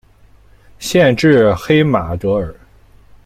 县治黑马戈尔。